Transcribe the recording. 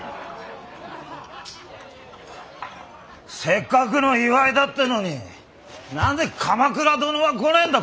せっかくの祝いだってのに何で鎌倉殿は来ねえんだ小四郎。